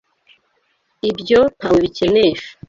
Ibyo nta we bikenesha